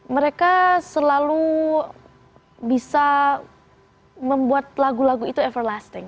mereka selalu bisa membuat lagu lagu itu everlasting